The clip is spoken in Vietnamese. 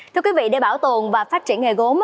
thưa quý vị để bảo tồn và phát triển nghề gốm